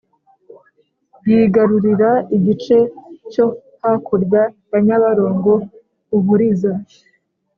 yigarurira igice cyo hakurya ya nyabarongo (u buriza)